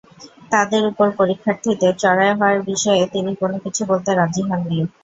তাঁদের ওপর পরীক্ষার্থীদের চড়াও হওয়ার বিষয়ে তিনি কোনো কিছু বলতে রাজি হননি।